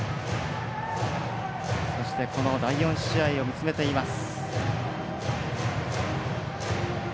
そして、この第４試合を見つめています。